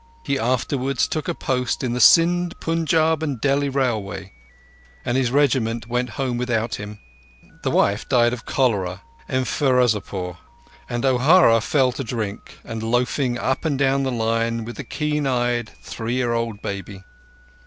He afterwards took a post on the Sind, Punjab, and Delhi Railway, and his Regiment went home without him. The wife died of cholera in Ferozepore, and O'Hara fell to drink and loafing up and down the line with the keen eyed three year old baby.